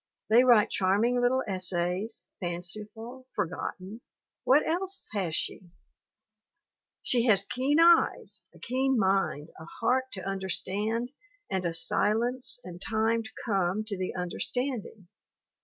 They 1 70 THE WOMEN WHO MAKE OUR NOVELS write charming little essays, fanciful, forgotten. What else has she? She has keen eyes, a keen mind, a heart to under stand and a silence and time to come to the under standing.